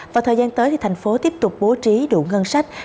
và thời gian tới thì thành phố tiếp tục bố trí đủ ngân sách